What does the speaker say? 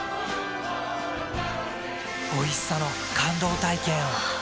おいしさの感動体験を。